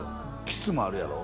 キスもあるやろ？